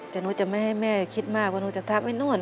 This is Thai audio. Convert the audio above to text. แต่หนูจะไม่ให้แม่คิดมากว่าหนูจะทับไอ้นู่น